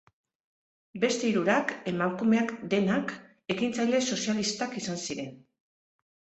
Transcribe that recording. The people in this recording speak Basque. Beste hirurak, emakumeak denak, ekintzaile sozialistak izan ziren.